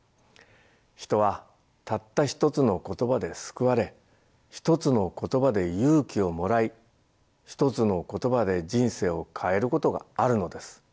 人はたった一つの言葉で救われ一つの言葉で勇気をもらい一つの言葉で人生を変えることがあるのです。